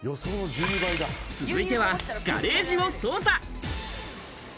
続いてはガレージを捜査。